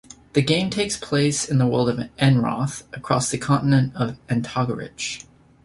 The game takes place in the world of Enroth, across the continent of Antagarich.